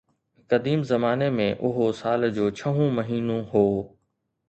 قديم زماني ۾ اهو سال جو ڇهون مهينو هو